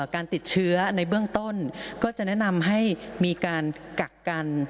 การติดเชื้อในเบื้องต้นก็จะแนะนำให้มีการกักกัน